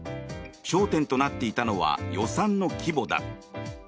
焦点となっていたのは予算の規模だ。